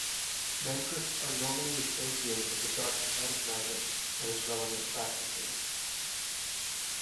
Mantriks are normally associated with the darker side of magic and its relevant practices.